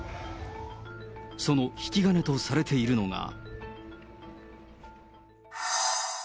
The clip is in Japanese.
その引き金とされているのが。